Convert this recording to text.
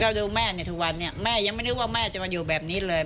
ดูแม่เนี่ยทุกวันนี้แม่ยังไม่นึกว่าแม่จะมาอยู่แบบนี้เลย